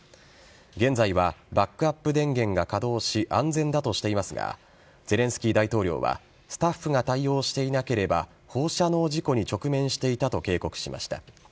現在はバックアップ電源が稼働し安全だとしていますがゼレンスキー大統領はスタッフが対応していなければ放射能事故に直面していたと警告しました。